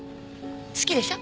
好きでしょ？